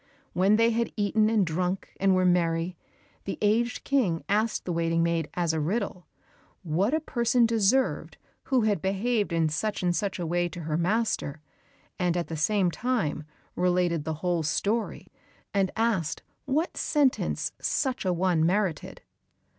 When they had eaten and drunk, and were merry, the aged King asked the waiting maid as a riddle, what a person deserved who had behaved in such and such a way to her master, and at the same time related the whole story, and asked what sentence such an one merited?